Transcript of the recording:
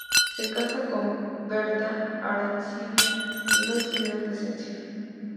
Se casó con Berta Arancibia y no tuvieron descendencia.